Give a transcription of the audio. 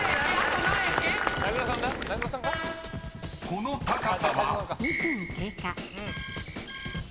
［この高さは？］